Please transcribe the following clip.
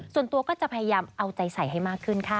ส่วนตัวก็จะพยายามเอาใจใส่ให้มากขึ้นค่ะ